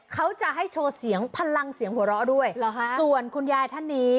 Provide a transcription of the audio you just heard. เขาจะให้โชว์เสียงพลังเสียงหัวเราะด้วยเหรอฮะส่วนคุณยายท่านนี้